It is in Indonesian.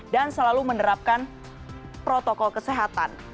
dan selalu menerapkan protokol kesehatan